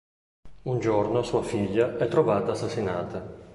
Un giorno sua figlia è trovata assassinata.